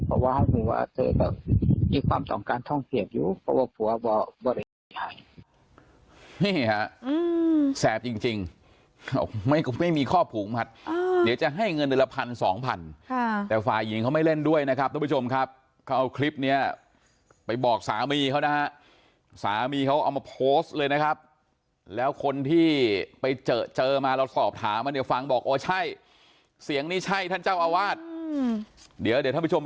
เพราะว่าให้มีความต้องการท่องเทียบอยู่เพราะว่าผัวว่าไม่ได้หาย